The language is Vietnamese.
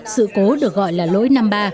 sự cố được gọi là lỗi năm mươi ba